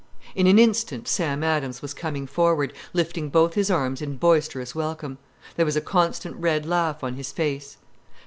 In an instant Sam Adams was coming forward, lifting both his arms in boisterous welcome. There was a constant red laugh on his face.